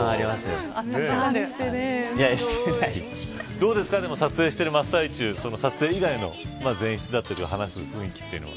どうですか撮影している真っ最中撮影以外の前室だとか、話す雰囲気は。